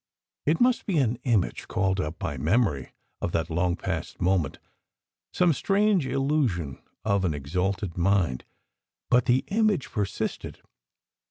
It must be an image called up by memory of that long past moment, some strange illusion of an exalted mind: but the image persisted.